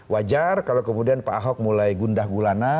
wajar kalau kemudian pak ahok mulai gundah gulana